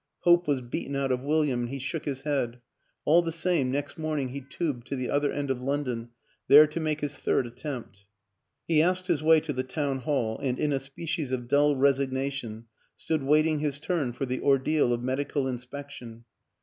Hope was beaten out of William and he shook his head ... all the same, next morning he tubed to the other end of London, there to make his third attempt. He asked his way to the townhall and in a species of dull resignation stood waiting his turn for the ordeal of medical inspection.